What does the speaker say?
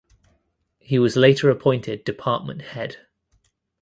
He was later appointed department head.